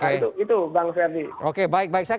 itu bang ferdi